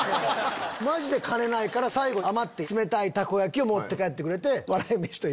マジで金ないから最後余って冷たいたこ焼きを持って帰って。